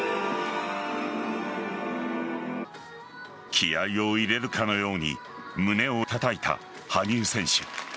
気合いを入れるかのように胸をたたいた羽生選手。